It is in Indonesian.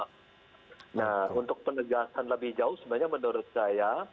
nah untuk penegasan lebih jauh sebenarnya menurut saya